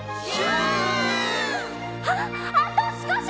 あっあとすこし！